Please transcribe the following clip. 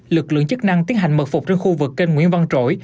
lực lượng chức năng tiến hành mật phục trên khu vực kênh nguyễn văn trỗi